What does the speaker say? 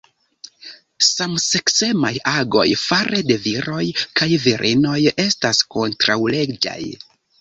Samseksemaj agoj fare de viroj kaj virinoj estas kontraŭleĝaj.